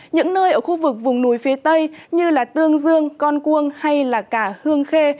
những nơi ở khu vực vùng núi phía tây như tương dương con cuông hay là cả hương khê